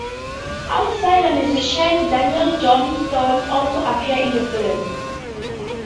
Outsider musician Daniel Johnston also appears in the film.